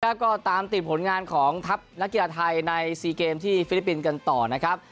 แล้วก็ตามติดผลงานของทัพนักกีฬาไทยใน๔เกมที่ฟิลิปปินส์กันต่อนะครับ